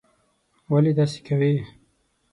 ولي داسې کوې?